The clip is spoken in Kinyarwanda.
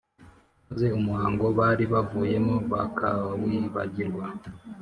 , maze umuhango bari bavuyemo bakawibagirwa